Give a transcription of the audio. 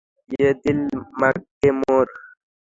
ইয়ে দিল মাঙগে মোর।